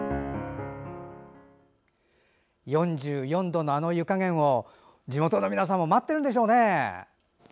４４度のあの湯加減を地元の皆さんも待ってるんでしょうね。